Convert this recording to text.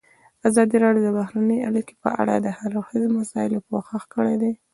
ازادي راډیو د بهرنۍ اړیکې په اړه د هر اړخیزو مسایلو پوښښ کړی.